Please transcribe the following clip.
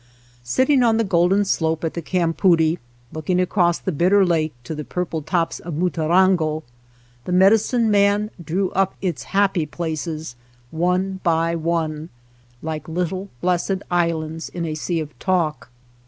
Sitting on the golden slope at the campoodie, looking across the Bitter, Lake to the purple tops of Mutarango, the medicine man drew up its happy places one by one, like little (j|(iPssfd islands in a sea of talk.